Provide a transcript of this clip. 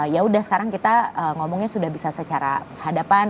ya udah sekarang kita ngomongnya sudah bisa secara hadapan